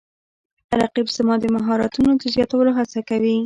رقیب زما د مهارتونو د زیاتولو هڅه کوي